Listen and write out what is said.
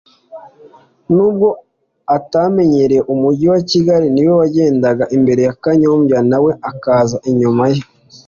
n’ubwo atamenyereye umujyi wa Kigali ni we wagendaga imbere Kanyombya na we akaza inyuma ye